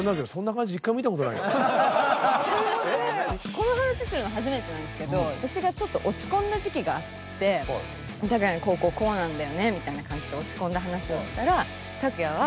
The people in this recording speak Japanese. この話するの初めてなんですけど私がちょっと落ち込んだ時期があってＴＡＫＵＹＡ∞にこうこうこうなんだよねみたいな感じで落ち込んだ話をしたらＴＡＫＵＹＡ∞は。